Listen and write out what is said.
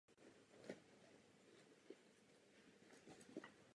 V rámci třetího dělení Polska připadl Rusku.